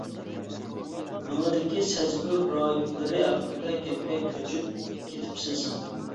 مېڭىدىكى سەزگۈ رايونلىرى ھەققىدە گەپكە كۆچۈپ كېتىپسىز.